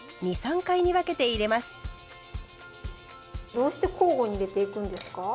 どうして交互に入れていくんですか？